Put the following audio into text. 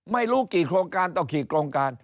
ไม่รู้กี่โครงการต่อกี่โครงการ